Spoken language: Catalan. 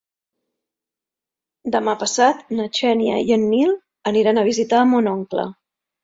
Demà passat na Xènia i en Nil aniran a visitar mon oncle.